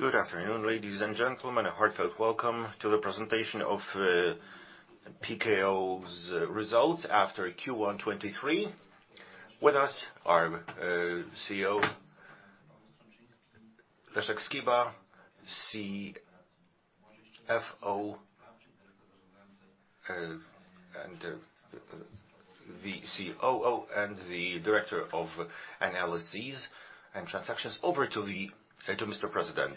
Good afternoon, ladies and gentlemen. A heartfelt welcome to the presentation of Pekao's results after Q1 2023. With us are CEO Leszek Skiba, CFO, and the COO and the Director of Analyses and Transactions. Over to Mr. President.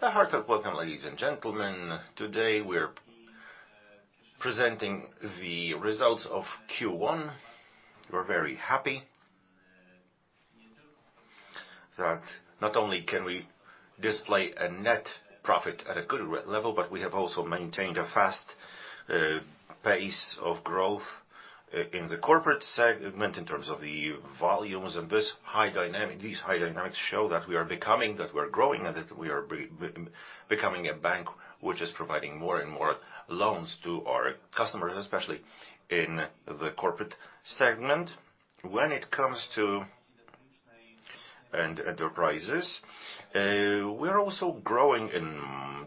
A heartfelt welcome, ladies and gentlemen. Today, we're presenting the results of Q1. We're very happy that not only can we display a net profit at a good level, but we have also maintained a fast pace of growth in the corporate segment in terms of the volumes. These high dynamics show that we are becoming, that we're growing, and that we are becoming a bank which is providing more and more loans to our customers, especially in the corporate segment. When it comes to... and enterprises, we're also growing in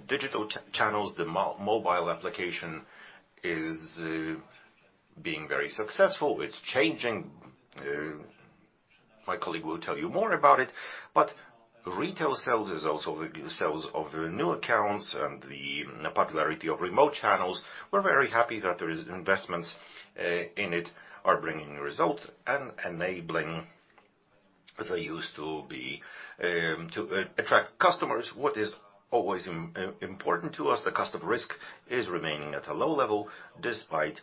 digital channels. The mobile application is being very successful. It's changing. My colleague will tell you more about it, but retail sales is also the sales of the new accounts and the popularity of remote channels. We're very happy that the investments in it are bringing results and enabling the use to be to attract customers. What is always important to us, the cost of risk is remaining at a low level despite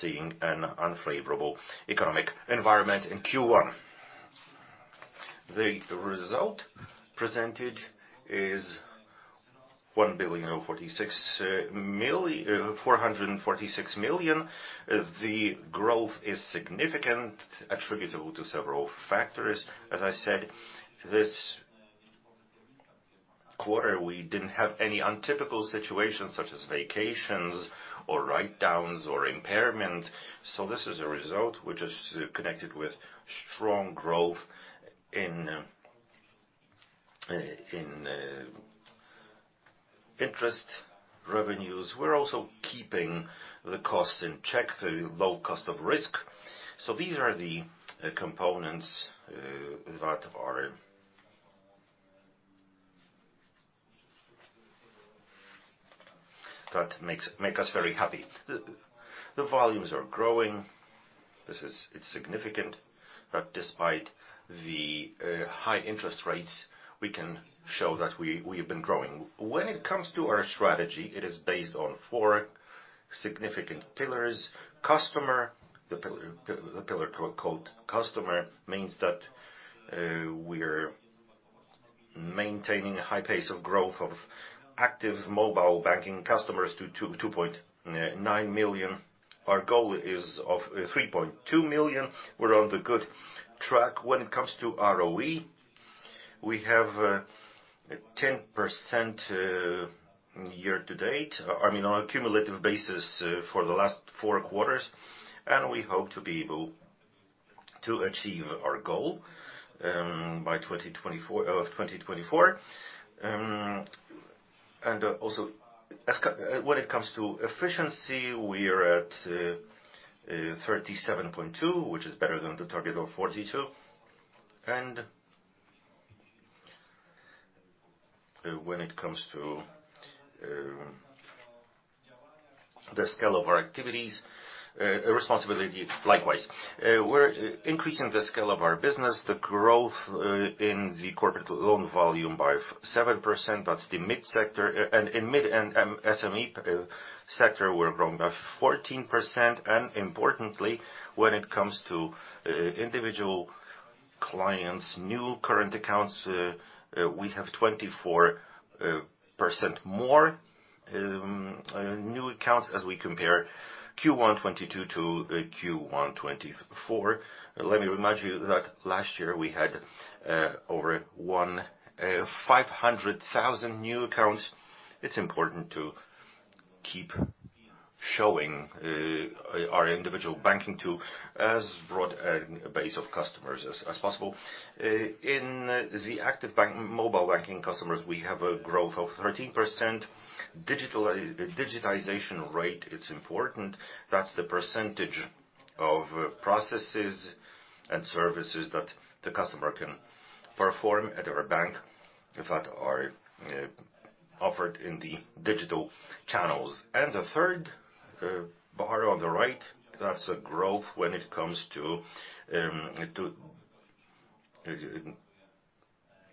seeing an unfavorable economic environment in Q1. The result presented is 1 billion 446 million. The growth is significant, attributable to several factors. As I said, this quarter, we didn't have any untypical situations such as vacations or write-downs or impairment. This is a result which is connected with strong growth in interest revenues. We're also keeping the costs in check, the low cost of risk. These are the components that make us very happy. The volumes are growing. It's significant that despite the high interest rates, we can show that we've been growing. When it comes to our strategy, it is based on four significant pillars. Customer, the pillar called customer means that we're maintaining a high pace of growth of active mobile banking customers to 2.9 million. Our goal is of 3.2 million. We're on the good track when it comes to ROE. We have 10% year to date. I mean, on a cumulative basis for the last four quarters, and we hope to be able to achieve our goal by 2024. When it comes to efficiency, we are at 37.2, which is better than the target of 42. When it comes to the scale of our activities, responsibility, likewise. We're increasing the scale of our business, the growth in the corporate loan volume by 7%. That's the mid-sector. In mid and SME sector, we're growing by 14%. Importantly, when it comes to individual clients, new current accounts, we have 24% more new accounts as we compare Q1 2022 to Q1 2024. Let me remind you that last year we had over 1,500,000 new accounts. It's important to keep showing our individual banking to as broad a base of customers as possible. In the active mobile banking customers, we have a growth of 13%. The digitization rate, it's important. That's the percentage of processes and services that the customer can perform at our bank that are offered in the digital channels. The third bar on the right, that's a growth when it comes to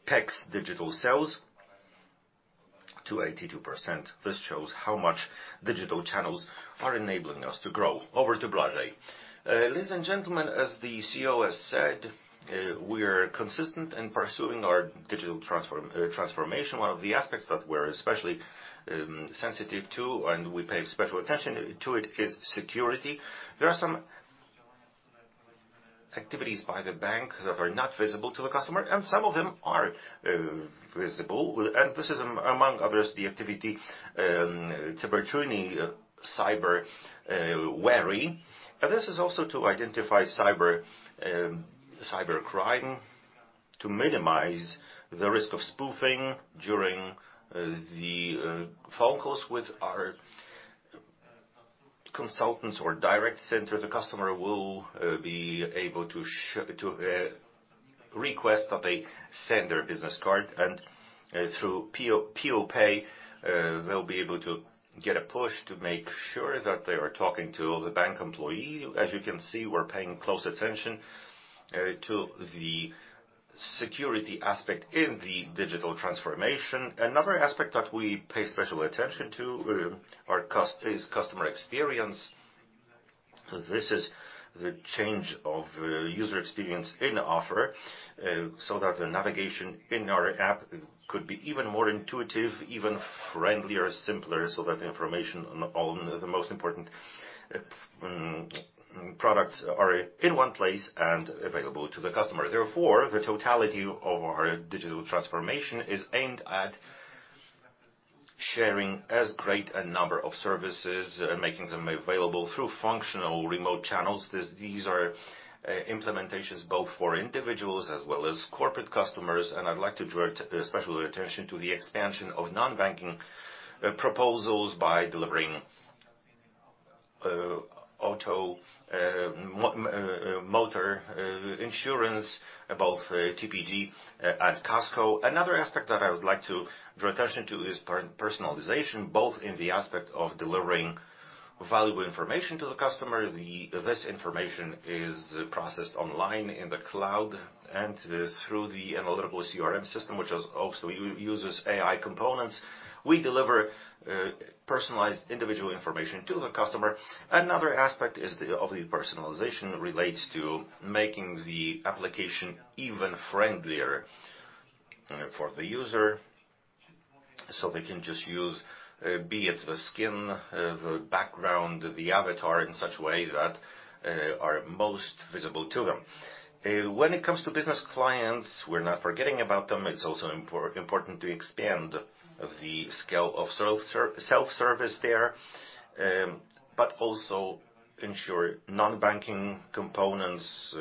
PEX digital sales to 82%. This shows how much digital channels are enabling us to grow. Over to Błażej. Ladies and gentlemen, as the CEO has said, we're consistent in pursuing our digital transformation. One of the aspects that we're especially sensitive to, and we pay special attention to it, is security. There are some activities by the bank that are not visible to the customer, and some of them are visible. This is among others, the activity to virtually cyber wary. This is also to identify cyber cybercrime, to minimize the risk of spoofing during the phone calls with our consultants or direct center, the customer will be able to request that they send their business card and through PeoPay, they'll be able to get a push to make sure that they are talking to the bank employee. As you can see, we're paying close attention to the security aspect in the digital transformation. Another aspect that we pay special attention to, is customer experience. This is the change of user experience in offer, so that the navigation in our app could be even more intuitive, even friendlier, simpler, so that the information on all the most important products are in one place and available to the customer. Therefore, the totality of our digital transformation is aimed at sharing as great a number of services and making them available through functional remote channels. These are implementations both for individuals as well as corporate customers, and I'd like to draw special attention to the expansion of non-banking proposals by delivering auto motor insurance, both TPL and Casco. Another aspect that I would like to draw attention to is personalization, both in the aspect of delivering valuable information to the customer. This information is processed online in the cloud and through the analytical CRM system, which also uses AI components. We deliver personalized individual information to the customer. Another aspect of the personalization relates to making the application even friendlier for the user, so they can just use, be it the skin, the background, the avatar in such way that are most visible to them. When it comes to business clients, we're not forgetting about them. It's also important to expand the scale of self-service there, but also ensure non-banking components.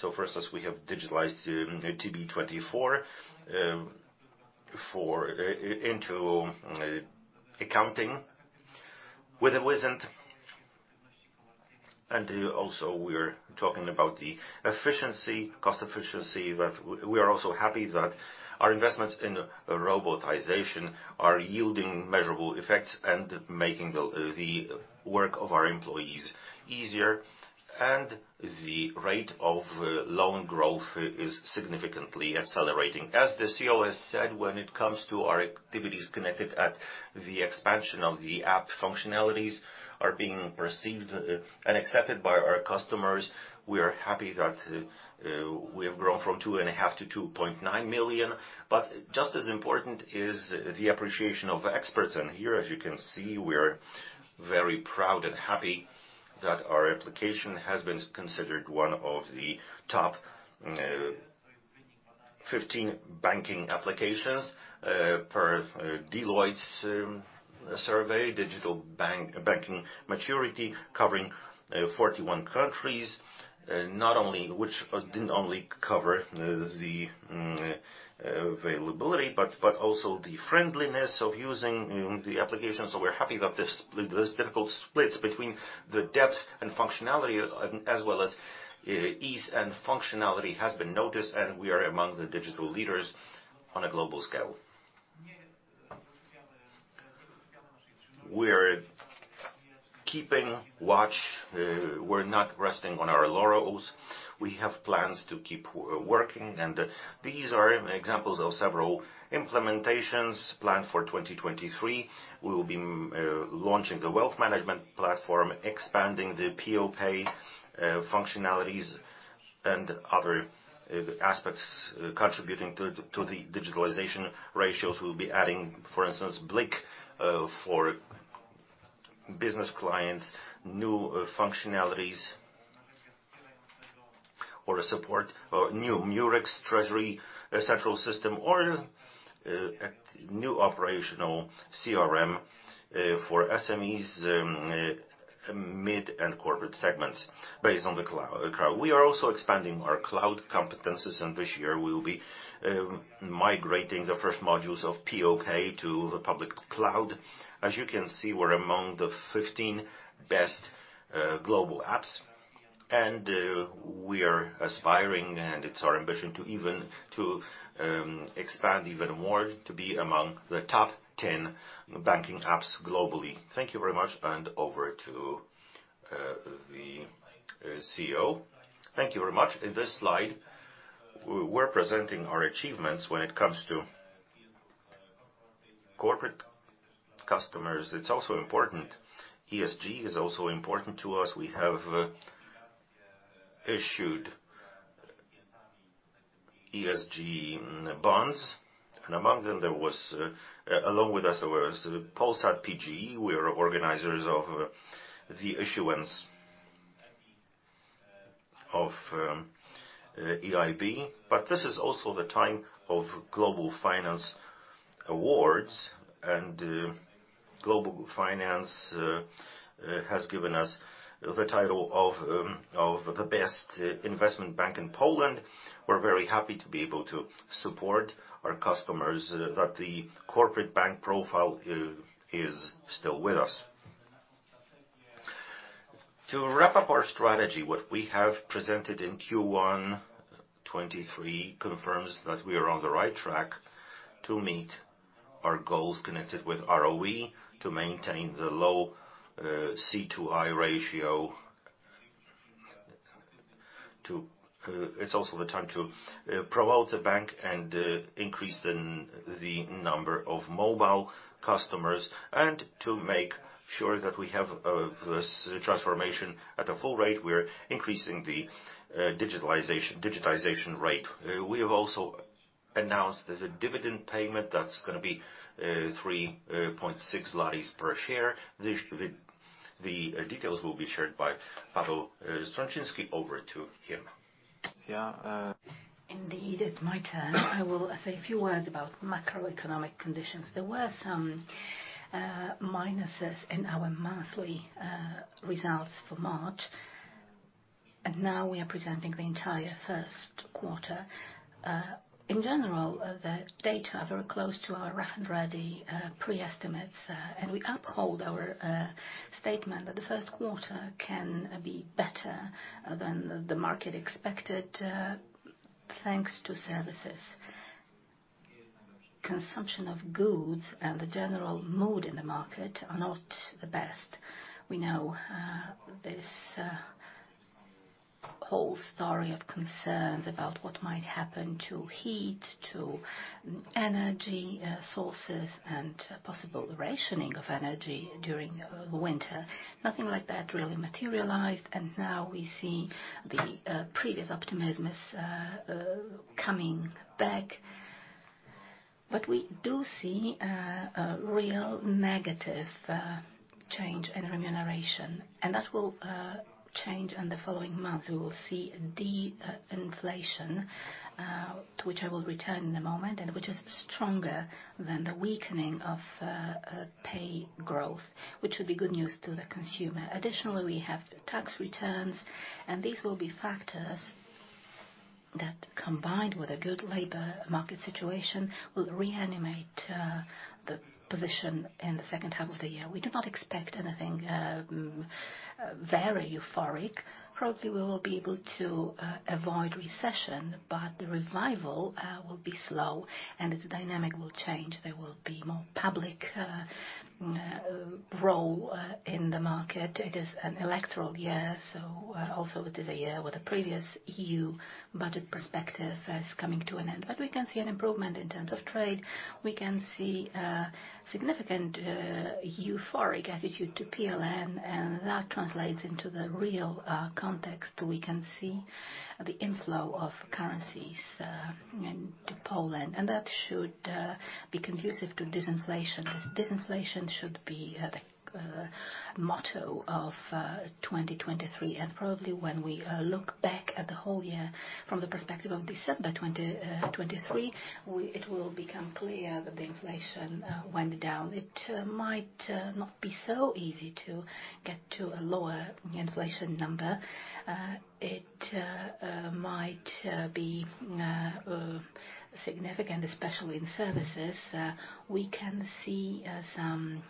So for instance, we have digitalized TB24 for into accounting with a wizard. Also we're talking about the efficiency, cost efficiency, but we are also happy that our investments in robotization are yielding measurable effects and making the work of our employees easier. The rate of loan growth is significantly accelerating. As the CEO has said, when it comes to our activities connected at the expansion of the app, functionalities are being perceived and accepted by our customers. We are happy that we have grown from 2.5 to 2.9 million. Just as important is the appreciation of experts, and here, as you can see, we are very proud and happy that our application has been considered one of the top 15 banking applications per Deloitte's Digital Banking Maturity survey, covering 41 countries. Which didn't only cover the availability, but also the friendliness of using the application. We're happy that this difficult splits between the depth and functionality as well as ease and functionality has been noticed, and we are among the digital leaders on a global scale. We're keeping watch, we're not resting on our laurels. We have plans to keep working, and these are examples of several implementations planned for 2023. We will be launching the wealth management platform, expanding the PeoPay functionalities and other aspects contributing to the digitalization ratios. We'll be adding, for instance, BLIK for business clients, new functionalities or a support, or new Murex treasury central system, or a new operational CRM for SMEs, mid and corporate segments based on the cloud. We are also expanding our cloud competencies, and this year we will be migrating the first modules of POK to the public cloud. As you can see, we're among the 15 best global apps, we are aspiring, and it's our ambition to expand even more to be among the top 10 banking apps globally. Thank you very much, over to the CEO. Thank you very much. In this slide, we're presenting our achievements when it comes to corporate customers. It's also important. ESG is also important to us. We have issued ESG bonds, among them, there was Along with us, there was Polsat PG. We are organizers of the issuance of EIB. This is also the time of Global Finance Awards, Global Finance has given us the title of the best investment bank in Poland. We're very happy to be able to support our customers that the corporate bank profile is still with us. To wrap up our strategy, what we have presented in Q1 2023 confirms that we are on the right track to meet our goals connected with ROE to maintain the low C/I ratio. It's also the time to promote the bank and increase the number of mobile customers and to make sure that we have this transformation at a full rate. We're increasing the digitization rate. We have also announced there's a dividend payment that's gonna be 3.6 zlotys per share. The details will be shared by Paweł Strączyński. Over to him. Yeah. Indeed, it's my turn. I will say a few words about macroeconomic conditions. There were some minuses in our monthly results for March, and now we are presenting the entire first quarter. In general, the data are very close to our rough and ready pre-estimates. We uphold our statement that the first quarter can be better than the market expected, thanks to services. Consumption of goods and the general mood in the market are not the best. We know this whole story of concerns about what might happen to heat, to energy sources and possible rationing of energy during winter. Nothing like that really materialized, and now we see the previous optimism is coming back. We do see a real negative change in remuneration, and that will change in the following months. We will see de-inflation, to which I will return in a moment, and which is stronger than the weakening of pay growth, which would be good news to the consumer. Additionally, we have tax returns, and these will be factors that, combined with a good labor market situation, will reanimate the position in the second half of the year. We do not expect anything very euphoric. Probably we will be able to avoid recession, but the revival will be slow and its dynamic will change. There will be more public role in the market. It is an electoral year, so also it is a year with the previous EU budget perspective as coming to an end. We can see an improvement in terms of trade. We can see a significant euphoric attitude to PLN, and that translates into the real context. We can see the inflow of currencies into Poland, and that should be conducive to disinflation. Disinflation should be the motto of 2023. Probably when we look back at the whole year from the perspective of December 2023, it will become clear that the inflation went down. It might not be so easy to get to a lower inflation number. It might be significant, especially in services. We can see some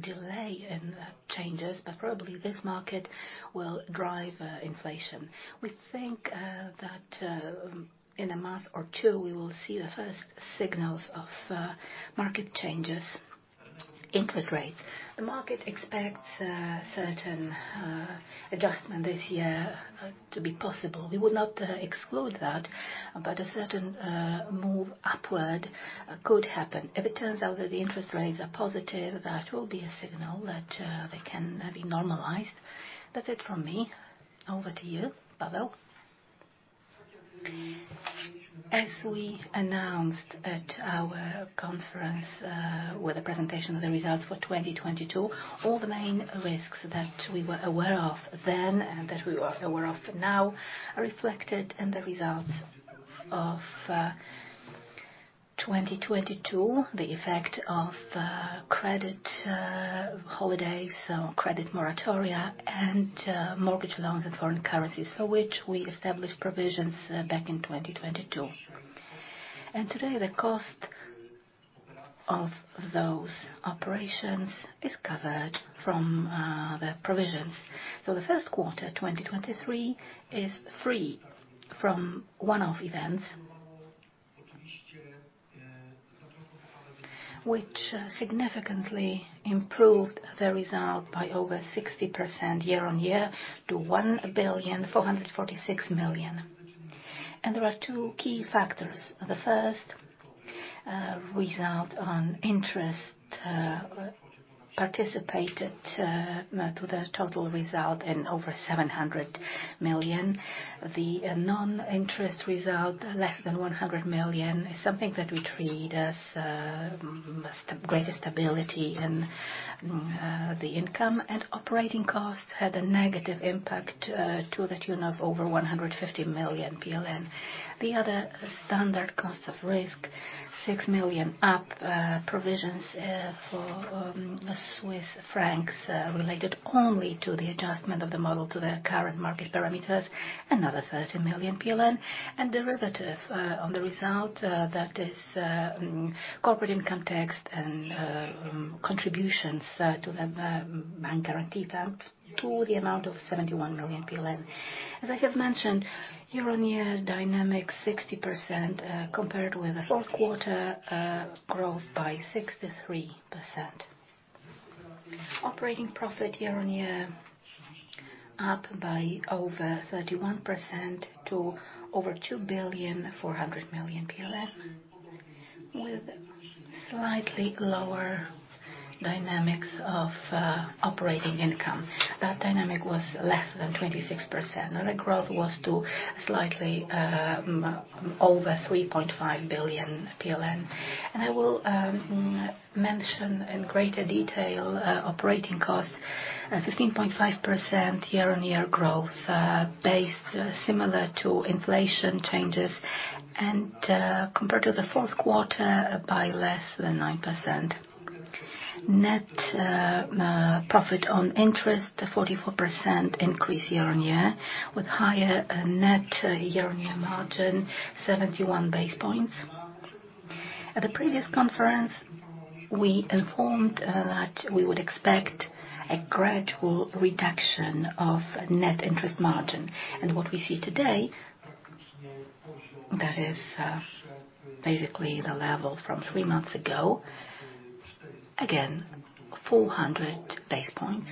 delay in the changes, but probably this market will drive inflation. We think that in a month or two we will see the first signals of market changes. Interest rates. The market expects certain adjustment this year to be possible. We will not exclude that, but a certain move upward could happen. If it turns out that the interest rates are positive, that will be a signal that they can be normalized. That's it from me. Over to you, Paweł. As we announced at our conference, with the presentation of the results for 2022, all the main risks that we were aware of then and that we are aware of now are reflected in the results of 2022, the effect of credit holidays or credit moratoria and mortgage loans in foreign currencies for which we established provisions back in 2022. Today the cost of those operations is covered from the provisions. The first quarter, 2023, is free from one-off events which significantly improved the result by over 60% year-on-year to 1,446 million. There are two key factors. The first result on interest participated to the total result in over 700 million. The non-interest result, less than 100 million, is something that we treat as greater stability in the income. Operating costs had a negative impact to the tune of over 150 million PLN. The other standard cost of risk. 6 million up provisions for Swiss francs related only to the adjustment of the model to the current market parameters. Another 30 million PLN. Derivative on the result, that is, corporate income tax and contributions to the Bank Guarantee Fund to the amount of 71 million PLN. As I have mentioned, year-on-year dynamics 60%, compared with fourth quarter growth by 63%. Operating profit year-on-year up by over 31% to over 2.4 billion, with slightly lower dynamics of operating income. That dynamic was less than 26%, the growth was to slightly over 3.5 billion PLN. I will mention in greater detail operating costs, 15.5% year-on-year growth, based similar to inflation changes, compared to the fourth quarter by less than 9%. Net profit on interest, 44% increase year-on-year with higher net year-on-year margin 71 basis points. What we see today, that is basically the level from three months ago. Again, 400 basis points.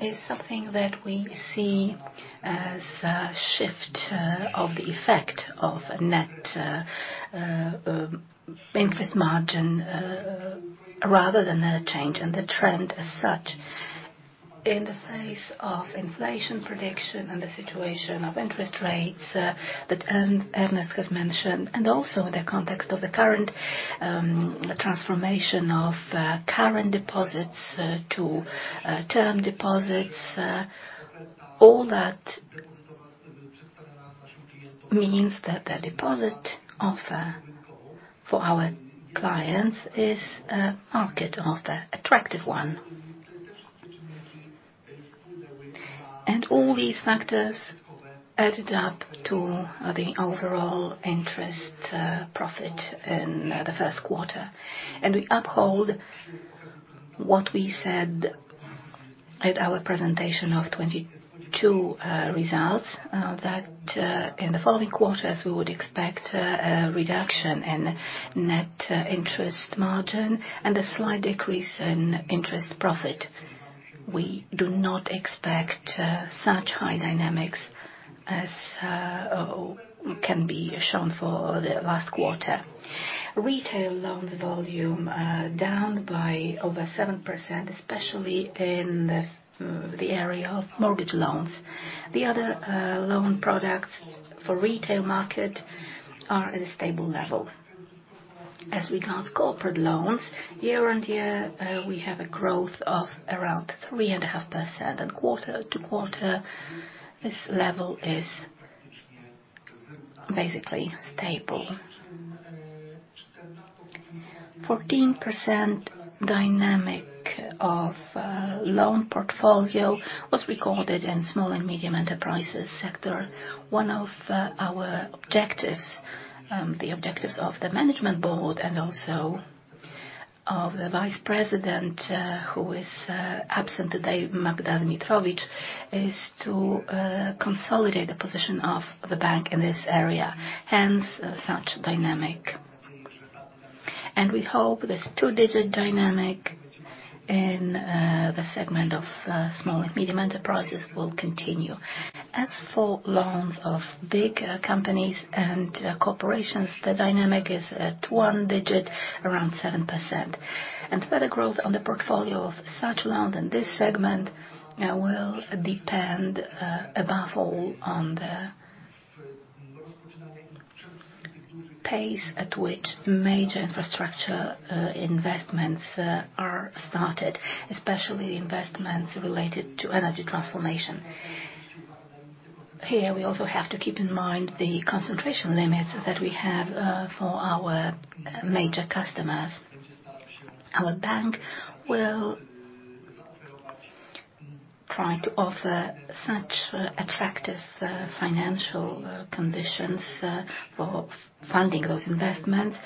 Is something that we see as a shift of the effect of net interest margin rather than a change in the trend as such. In the face of inflation prediction and the situation of interest rates that Ernest has mentioned, also in the context of the current transformation of current deposits to term deposits, all that means that the deposit offer for our clients is a market of the attractive one. All these factors added up to the overall interest profit in the first quarter. We uphold what we said at our presentation of 2022 results that in the following quarters, we would expect a reduction in net interest margin and a slight decrease in interest profit. We do not expect such high dynamics as can be shown for the last quarter. Retail loans volume down by over 7%, especially in the area of mortgage loans. The other loan products for retail market are at a stable level. As we count corporate loans, year-on-year, we have a growth of around 3.5%. Quarter-to-quarter, this level is basically stable. 14% dynamic of loan portfolio was recorded in small and medium enterprises sector. One of our objectives, the objectives of the management board and also of the Vice President, who is absent today, Magda Zmitrowicz, is to consolidate the position of the bank in this area. Hence, such dynamic. We hope this two-digit dynamic in the segment of small and medium enterprises will continue. As for loans of big companies and corporations, the dynamic is at one digit, around 7%. Further growth on the portfolio of such loans in this segment will depend above all on the pace at which major infrastructure investments are started, especially investments related to energy transformation. Here, we also have to keep in mind the concentration limits that we have for our major customers. Our bank will try to offer such attractive financial conditions for funding those investments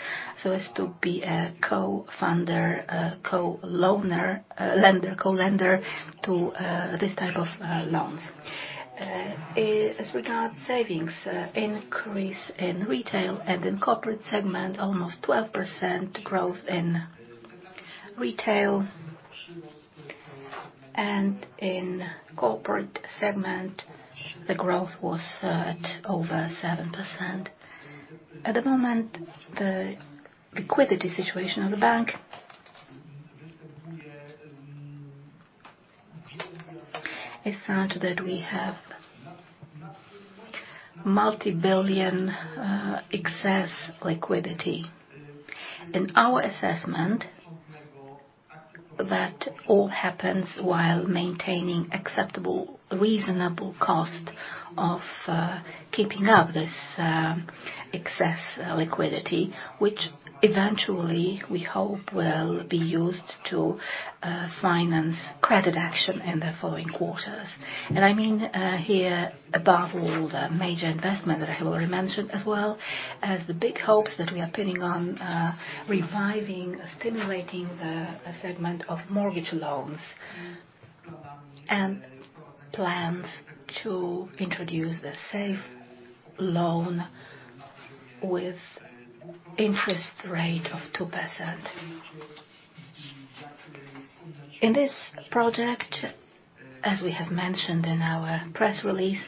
so as to be a co-funder, a co-loaner, lender, co-lender to this type of loans. As regard savings, increase in retail and in corporate segment, almost 12% growth in retail. In corporate segment, the growth was at over 7%. At the moment, the liquidity situation of the bank is such that we have multi-billion excess liquidity. In our assessmentThat all happens while maintaining acceptable, reasonable cost of keeping up this excess liquidity, which eventually we hope will be used to finance credit action in the following quarters. I mean, here above all the major investment that I have already mentioned, as well as the big hopes that we are pinning on, reviving, stimulating the segment of mortgage loans and plans to introduce the safe loan with interest rate of 2%. In this project, as we have mentioned in our press release,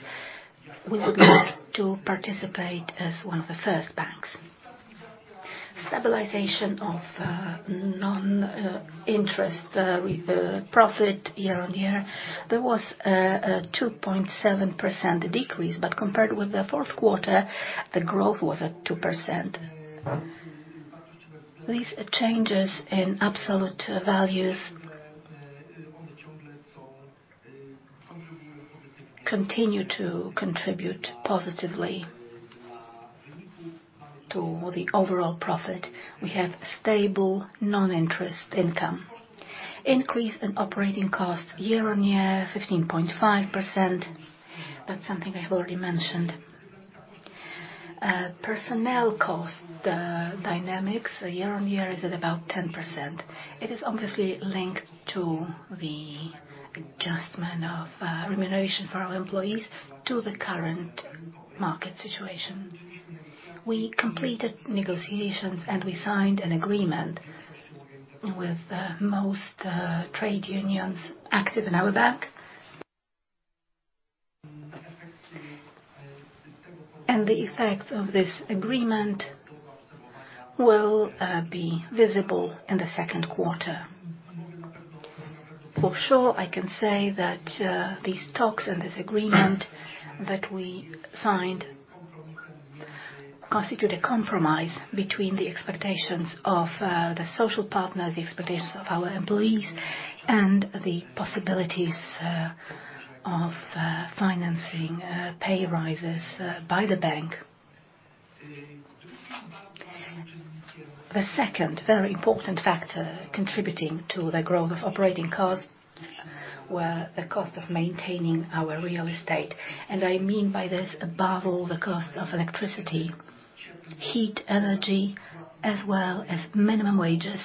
we would like to participate as one of the first banks. Stabilization of non-interest re-profit year-on-year, there was a 2.7% decrease, but compared with the fourth quarter, the growth was at 2%. These changes in absolute values continue to contribute positively to the overall profit. We have stable non-interest income. Increase in operating costs year-on-year 15.5%, that's something I have already mentioned. Personnel cost, the dynamics year-on-year is at about 10%. It is obviously linked to the adjustment of remuneration for our employees to the current market situation. We completed negotiations, we signed an agreement with the most trade unions active in our bank. The effect of this agreement will be visible in the second quarter. For sure, I can say that these talks and this agreement that we signed constitute a compromise between the expectations of the social partners, the expectations of our employees, and the possibilities of financing pay rises by the bank. The second very important factor contributing to the growth of operating costs were the cost of maintaining our real estate, and I mean by this above all the costs of electricity, heat, energy, as well as minimum wages.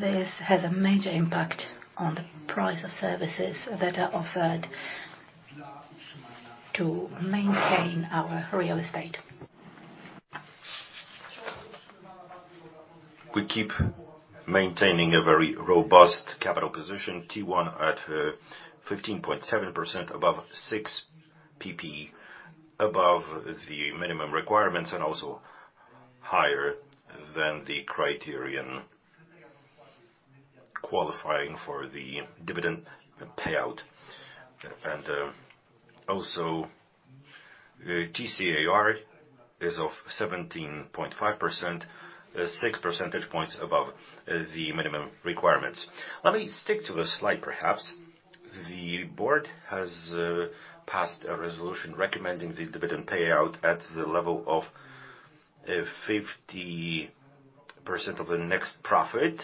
This has a major impact on the price of services that are offered to maintain our real estate. We keep maintaining a very robust capital position, Tier 1 at 15.7% above six percentage points, above the minimum requirements and also higher than the criterion qualifying for the dividend payout. Also, TCAR is of 17.5%, six percentage points above the minimum requirements. Let me stick to the slide, perhaps. The board has passed a resolution recommending the dividend payout at the level of 50% of the next profit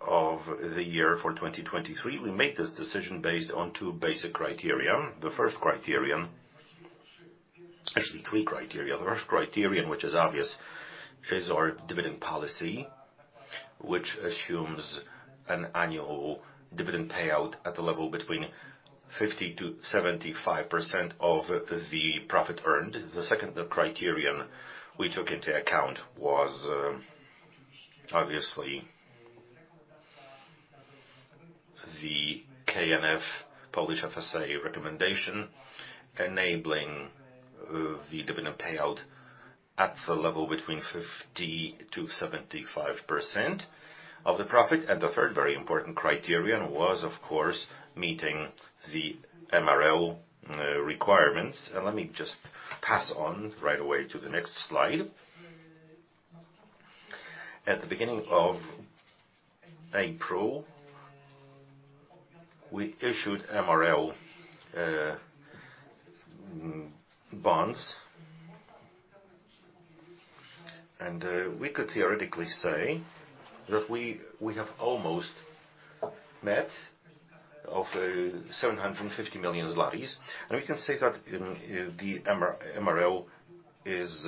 of the year for 2023. We made this decision based on two basic criteria. Actually, three criteria. The first criterion, which is obvious, is our dividend policy, which assumes an annual dividend payout at the level between 50%-75% of the profit earned. The second criterion we took into account was obviously the KNF Polish FSA recommendation enabling the dividend payout at the level between 50%-75% of the profit. The third very important criterion was, of course, meeting the MRL requirements. Let me just pass on right away to the next slide. At the beginning of April, we issued MRL bonds. We could theoretically say that we have almost met of the 750 million zlotys. We can say that in the MRL is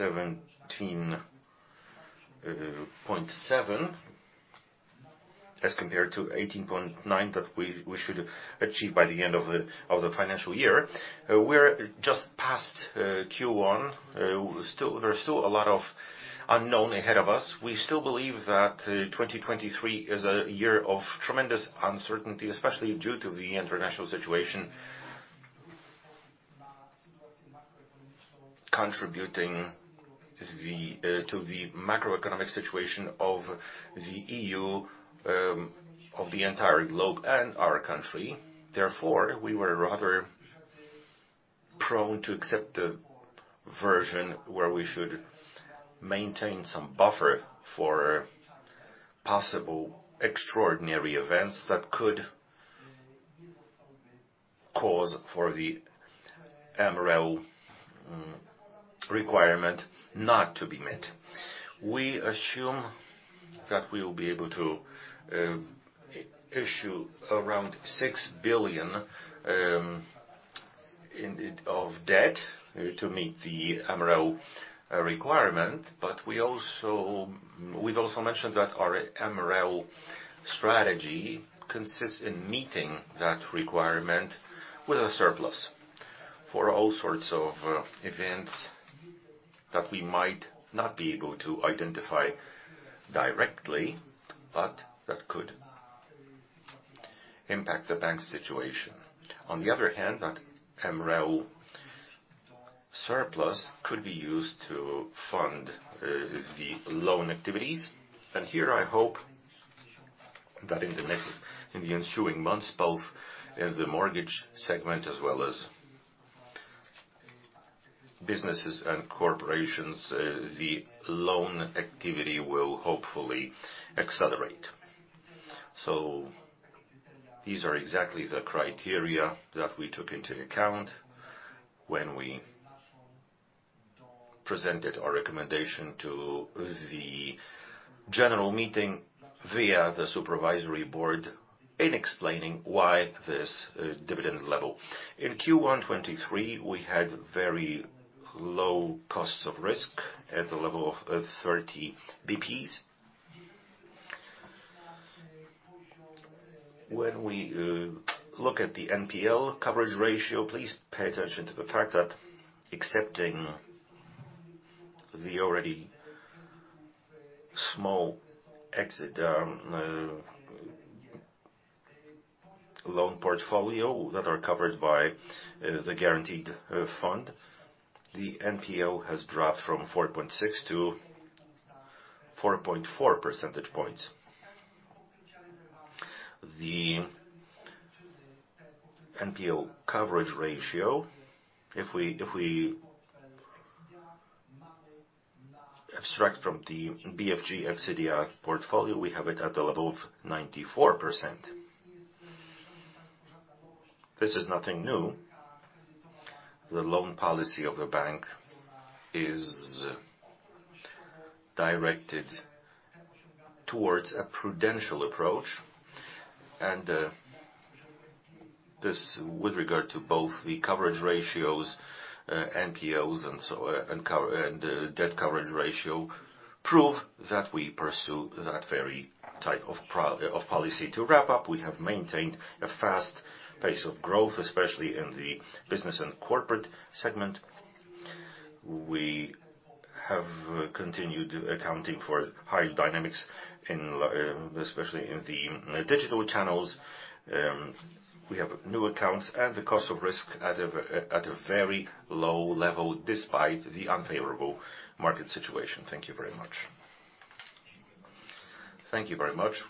17.7 as compared to 18.9 that we should achieve by the end of the financial year. We're just past Q1. There are still a lot of unknown ahead of us. We still believe that 2023 is a year of tremendous uncertainty, especially due to the international situation contributing to the macroeconomic situation of the EU, of the entire globe and our country. We were rather prone to accept the version where we should maintain some buffer for possible extraordinary events that could cause for the MREL requirement not to be met. We assume that we will be able to issue around PLN 6 billion of debt to meet the MREL requirement, but we've also mentioned that our MREL strategy consists in meeting that requirement with a surplus for all sorts of events that we might not be able to identify directly, but that could impact the bank's situation. That MREL surplus could be used to fund the loan activities. Here I hope that in the ensuing months, both the mortgage segment as well as businesses and corporations, the loan activity will hopefully accelerate. These are exactly the criteria that we took into account when we presented our recommendation to the general meeting via the supervisory board in explaining why this dividend level. In Q1 2023, we had very low costs of risk at the level of 30 bps. When we look at the NPL coverage ratio, please pay attention to the fact that excepting the already small exit loan portfolio that are covered by the guaranteed fund, the NPL has dropped from 4.6 to 4.4 percentage points. The NPL coverage ratio, if we extract from the BFG Exedia portfolio, we have it at a level of 94%. This is nothing new. The loan policy of the bank is directed towards a prudential approach, this with regard to both the coverage ratios, NPLs and so, debt coverage ratio, prove that we pursue that very type of policy. To wrap up, we have maintained a fast pace of growth, especially in the business and corporate segment. We have continued accounting for high dynamics especially in the digital channels. We have new accounts and the cost of risk at a very low level despite the unfavorable market situation. Thank you very much.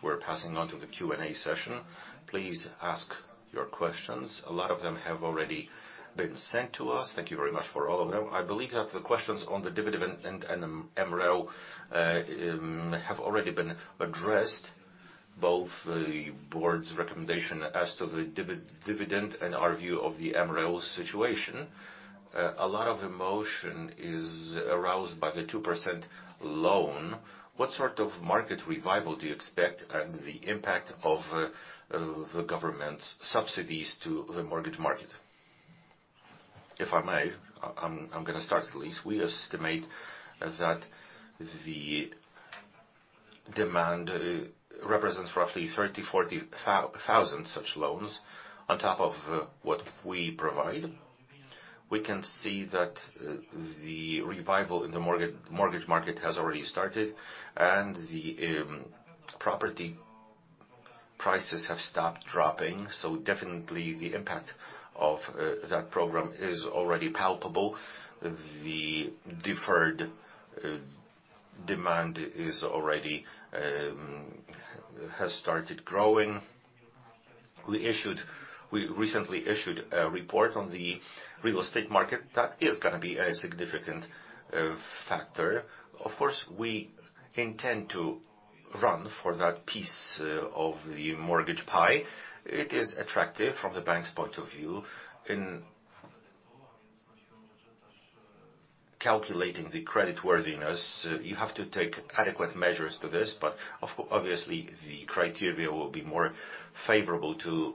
We're passing on to the Q&A session. Please ask your questions. A lot of them have already been sent to us. Thank you very much for all of them. I believe that the questions on the dividend and MREL have already been addressed, both the board's recommendation as to the dividend and our view of the MREL's situation. A lot of emotion is aroused by the 2% loan. What sort of market revival do you expect and the impact of the government's subsidies to the mortgage market? If I may, I'm gonna start at least. We estimate that the demand represents roughly 30,000-40,000 such loans on top of what we provide. We can see that the revival in the mortgage market has already started, and the property prices have stopped dropping, so definitely the impact of that program is already palpable. The deferred demand is already has started growing. We recently issued a report on the real estate market that is going to be a significant factor. Of course, we intend to run for that piece of the mortgage pie. It is attractive from the bank's point of view. In calculating the credit worthiness, you have to take adequate measures to this, but obviously the criteria will be more favorable to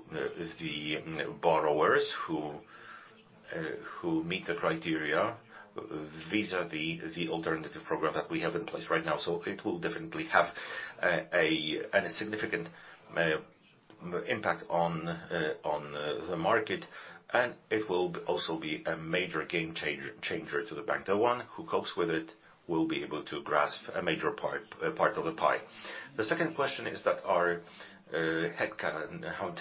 the borrowers who meet the criteria vis-à-vis the alternative program that we have in place right now. It will definitely have a significant impact on the market, and it will also be a major game changer to the bank. The one who copes with it will be able to grasp a major part of the pie. The second question is that our headcount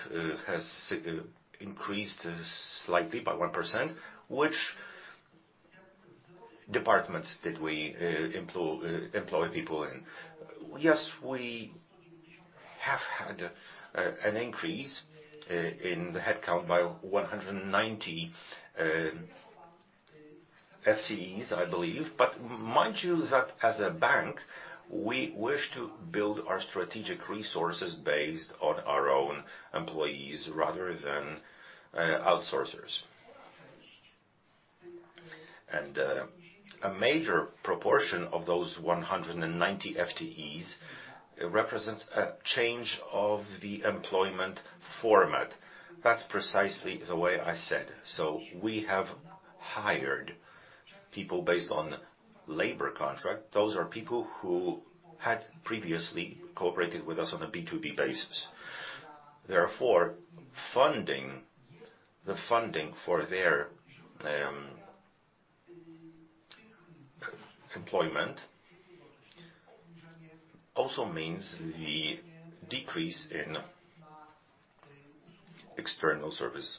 has increased slightly by 1%, whichDepartments that we employ people in. Yes, we have had an increase in the headcount by 190 FTEs, I believe. Mind you that as a bank, we wish to build our strategic resources based on our own employees rather than outsourcers. A major proportion of those 190 FTEs, represents a change of the employment format. That's precisely the way I said. We have hired people based on labor contract. Those are people who had previously cooperated with us on a B2B basis. Therefore, the funding for their employment also means the decrease in external service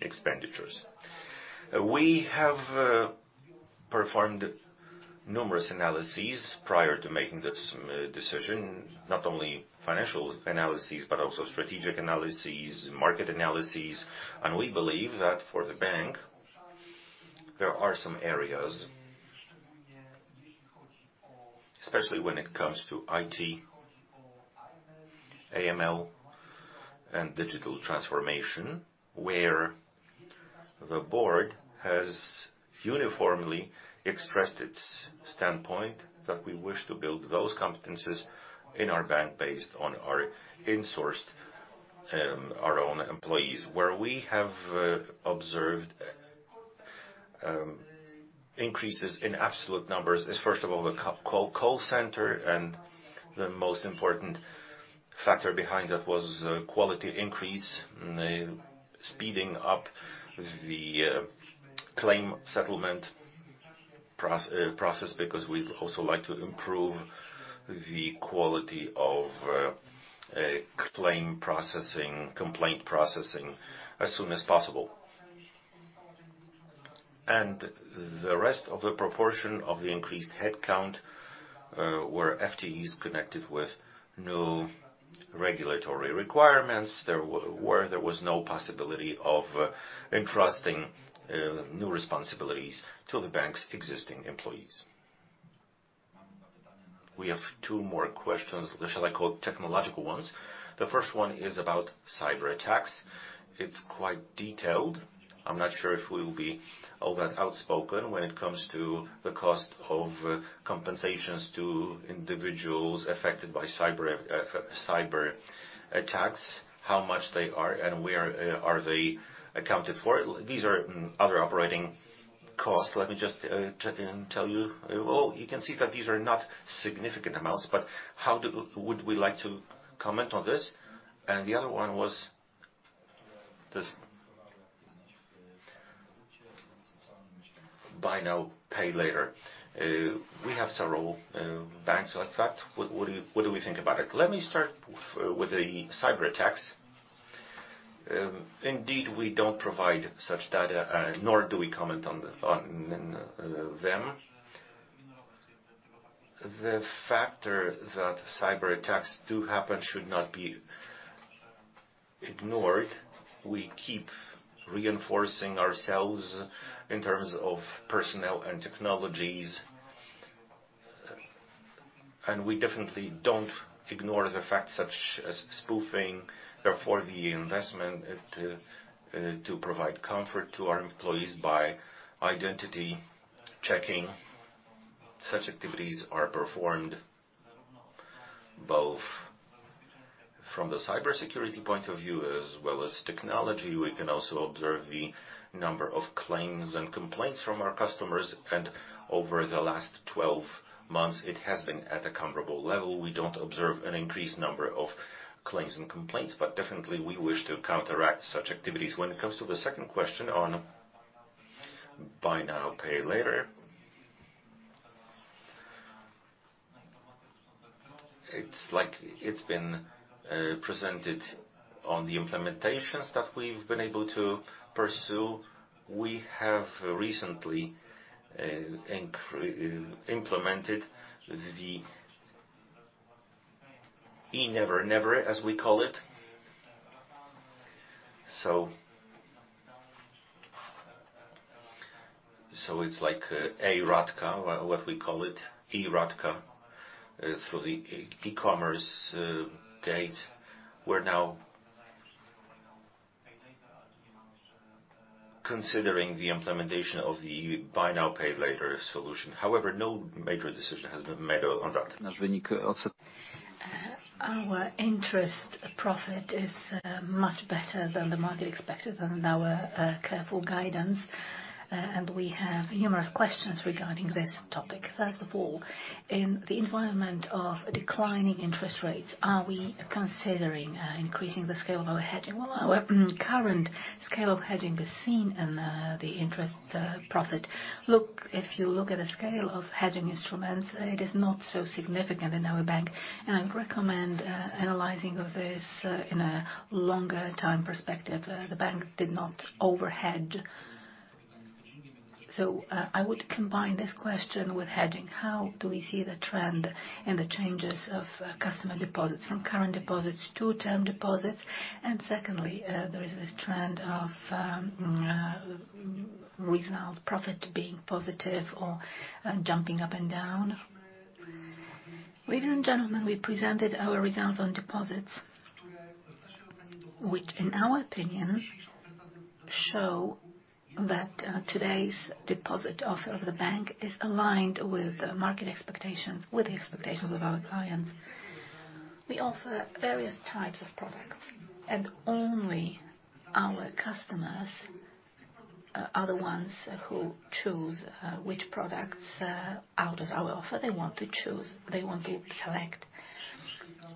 expenditures. We have performed numerous analyses prior to making this decision, not only financial analyses but also strategic analyses, market analyses, and we believe that for the bank, there are some areas, especially when it comes to IT, AML and digital transformation, where the board has uniformly expressed its standpoint that we wish to build those competencies in our bank based on our insourced, our own employees. Where we have observed increases in absolute numbers is first of all the call center, and the most important factor behind that was quality increase and speeding up the claim settlement process, because we'd also like to improve the quality of claim processing, complaint processing as soon as possible. The rest of the proportion of the increased headcount were FTEs connected with new regulatory requirements. There was no possibility of entrusting new responsibilities to the bank's existing employees. We have two more questions, shall I call technological ones? The first one is about cyberattacks. It's quite detailed. I'm not sure if we'll be all that outspoken when it comes to the cost of compensations to individuals affected by cyberattacks, how much they are and where are they accounted for. These are other operating costs. Let me just check and tell you. Well, you can see that these are not significant amounts, but how would we like to comment on this? The other one was this buy now, pay later. We have several banks like that. What do we think about it? Let me start with the cyberattacks. Indeed, we don't provide such data, nor do we comment on them. The factor that cyberattacks do happen should not be ignored. We keep reinforcing ourselves in terms of personnel and technologies. We definitely don't ignore the facts such as spoofing. Therefore, the investment to provide comfort to our employees by identity checking, such activities are performed both from the cybersecurity point of view as well as technology. We can also observe the number of claims and complaints from our customers, and over the last 12 months, it has been at a comparable level. We don't observe an increased number of claims and complaints, but definitely we wish to counteract such activities. When it comes to the second question on buy now, pay later, it's like it's been presented on the implementations that we've been able to pursue. We have recently implemented the eNevernever, as we call it. It's like a Ratka, what we call it, eRatka, for the e-commerce gate. We're now considering the implementation of the buy now, pay later solution. However, no major decision has been made on that. Our interest profit is much better than the market expected and our careful guidance, and we have numerous questions regarding this topic. First of all, in the environment of declining interest rates, are we considering increasing the scale of our hedging? Well, our current scale of hedging is seen in the interest profit. Look, if you look at the scale of hedging instruments, it is not so significant in our bank, and I recommend analyzing of this in a longer time perspective. I would combine this question with hedging. How do we see the trend and the changes of customer deposits from current deposits to term deposits? Secondly, there is this trend of result profit being positive or jumping up and down. Ladies and gentlemen, we presented our results on deposits, which in our opinion, show that today's deposit offer of the bank is aligned with market expectations, with the expectations of our clients. We offer various types of products, and only our customers are the ones who choose which products out of our offer they want to choose, they want to select.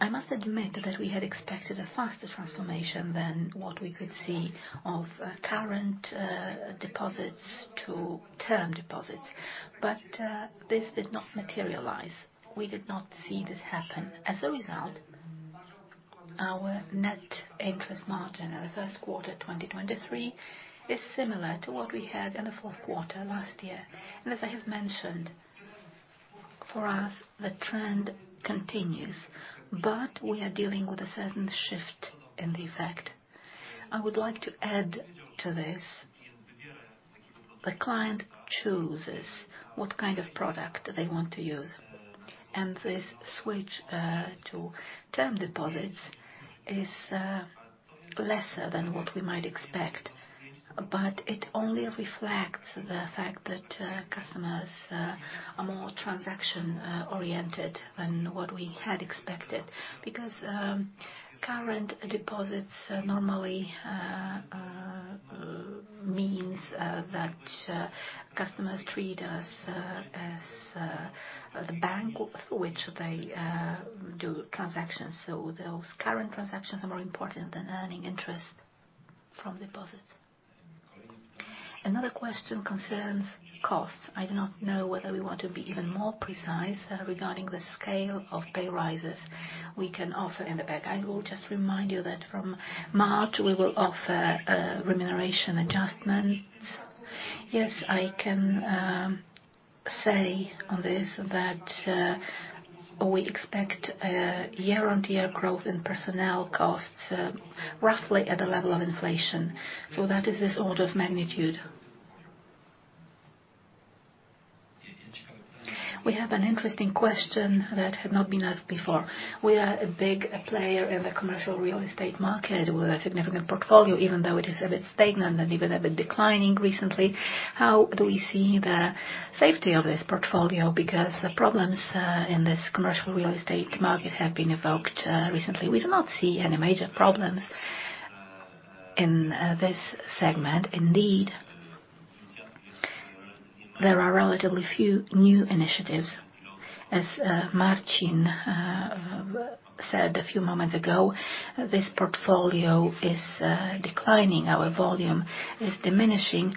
I must admit that we had expected a faster transformation than what we could see of current deposits to term deposits. This did not materialize. We did not see this happen. As a result, our net interest margin in the first quarter, 2023 is similar to what we had in the fourth quarter last year. As I have mentioned, for us, the trend continues, but we are dealing with a certain shift in the effect. I would like to add to this, the client chooses what kind of product they want to use, and this switch to term deposits is lesser than what we might expect. It only reflects the fact that customers are more transaction oriented than what we had expected. Current deposits normally means that customers treat us as the bank through which they do transactions. Those current transactions are more important than earning interest from deposits. Another question concerns costs. I do not know whether we want to be even more precise regarding the scale of pay rises we can offer in the bank. I will just remind you that from March, we will offer remuneration adjustments. Yes, I can say on this that we expect year-on-year growth in personnel costs roughly at the level of inflation. That is this order of magnitude. We have an interesting question that had not been asked before. We are a big player in the commercial real estate market with a significant portfolio, even though it is a bit stagnant and even a bit declining recently. How do we see the safety of this portfolio? Problems in this commercial real estate market have been evoked recently. We do not see any major problems in this segment. Indeed, there are relatively few new initiatives. As Marcin said a few moments ago, this portfolio is declining. Our volume is diminishing.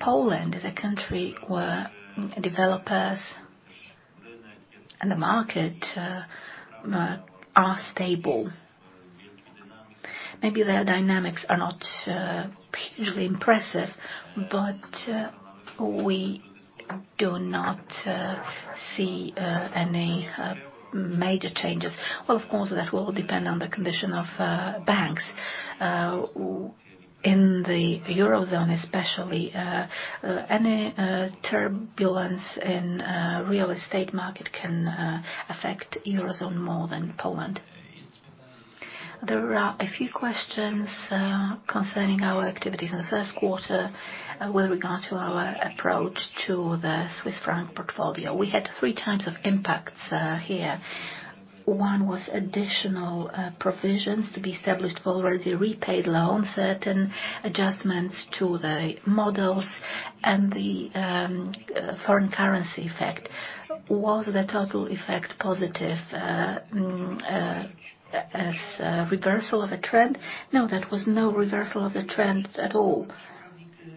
Poland is a country where developers and the market are stable. Maybe their dynamics are not hugely impressive, but we do not see any major changes. Of course, that will depend on the condition of banks in the Eurozone especially. Any turbulence in real estate market can affect Eurozone more than Poland. There are a few questions concerning our activities in the first quarter with regard to our approach to the Swiss franc portfolio. We had three types of impacts here. One was additional provisions to be established for already repaid loans, certain adjustments to the models and the foreign currency effect. Was the total effect positive as reversal of a trend? That was no reversal of the trend at all.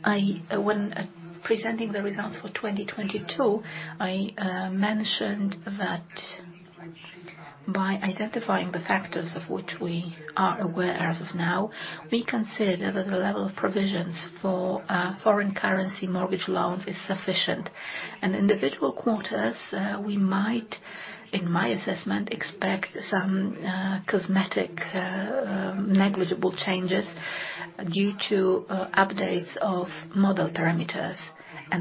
When presenting the results for 2022, I mentioned that by identifying the factors of which we are aware as of now, we consider that the level of provisions for foreign currency mortgage loans is sufficient. Individual quarters, we might, in my assessment, expect some cosmetic, negligible changes due to updates of model parameters.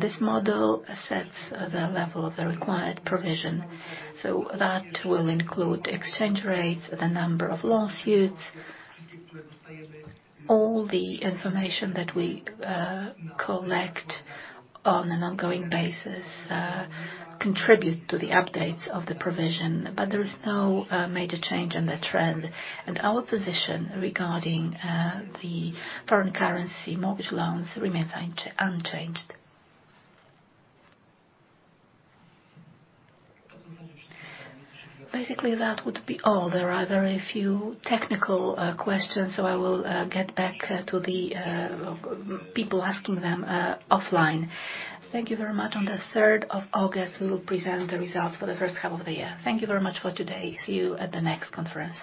This model sets the level of the required provision. That will include exchange rates, the number of lawsuits. All the information that we collect on an ongoing basis, contribute to the updates of the provision, but there is no major change in the trend. Our position regarding the foreign currency mortgage loans remains unchanged. Basically, that would be all. There are very few technical questions, so I will get back to the people asking them offline. Thank you very much. On the third of August, we will present the results for the first half of the year. Thank you very much for today. See you at the next conference.